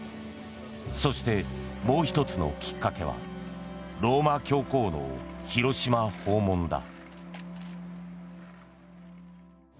そして、もう１つのきっかけはローマ教皇の広島訪問だ。